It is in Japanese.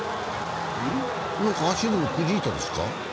足でもくじいたんですか？